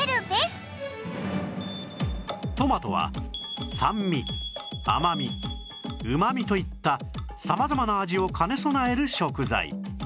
トマトは酸味甘みうまみといった様々な味を兼ね備える食材